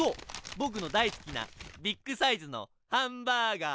ボクの大好きなビッグサイズのハンバーガー。